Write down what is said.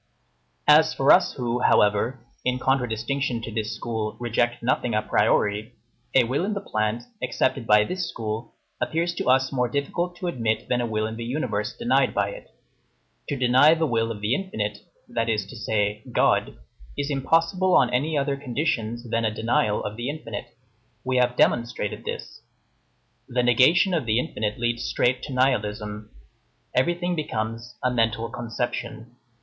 As for us, who, however, in contradistinction to this school, reject nothing a priori, a will in the plant, accepted by this school, appears to us more difficult to admit than a will in the universe denied by it. To deny the will of the infinite, that is to say, God, is impossible on any other conditions than a denial of the infinite. We have demonstrated this. The negation of the infinite leads straight to nihilism. Everything becomes "a mental conception."